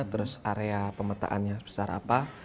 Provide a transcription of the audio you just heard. terus area pemetaannya sebesar apa